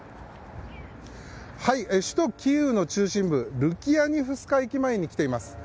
首都キーウの中心部ルキヤニフスカ駅前に来ています。